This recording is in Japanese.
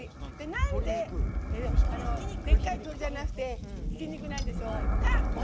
なんででっかい鶏じゃなくてひき肉なんでしょうか！